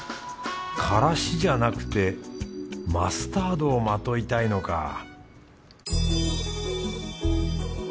からしじゃなくてマスタードをまといたいのか